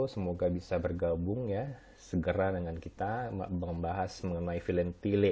semoga bisa bergabung ya segera dengan kita membahas mengenai film tile